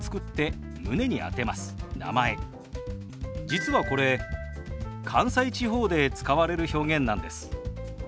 実はこれ関西地方で使われる表現なんです。